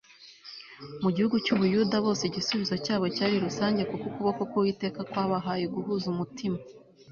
mu gihugu cy'ubuyuda bose igisubizo cyabo cyari rusange; kuko ukuboko k'uwiteka kwabahaye guhuza umutima